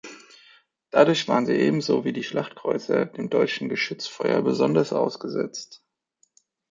Dadurch waren sie ebenso wie die Schlachtkreuzer dem deutschen Geschützfeuer besonders ausgesetzt.